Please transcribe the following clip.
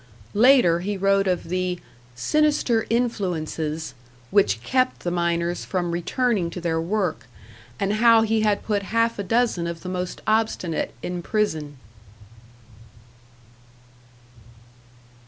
Later he wrote of the "sinister influences" which kept the miners from returning to their work, and how he had put half a dozen of the most obstinate in prison.